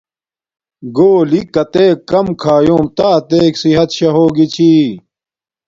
گھولی کاتیک کم کھایوم تا اتیک صحت شاہ ہوگی چھی